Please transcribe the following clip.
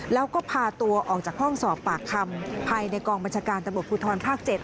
แล้วก็พาตัวออกจากห้องสอบปากคำภายในกองบัญชาการตำรวจภูทรภาค๗